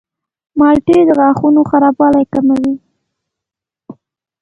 مالټې د غاښونو خرابوالی کموي.